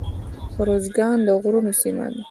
ارزګان د غرونو سیمه ده